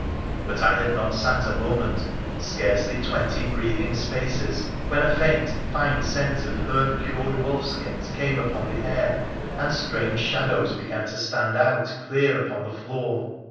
But I had not sat a moment — scarcely twenty breathing spaces — when a faint, fine scent of herb cured wolf skins came upon the air, and strange shadows began to stand out clear upon the floor.